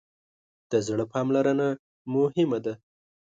د زړه پاملرنه مهمه ده.